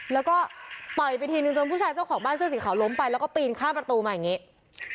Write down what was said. แล้วก็ต่อยไปทีนึงจนผู้ชายเจ้าของบ้านเสื้อสีขาวล้มไปแล้วก็ปีนข้ามประตูมาอย่างนี้